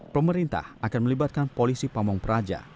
pemerintah akan melibatkan polisi pamung praja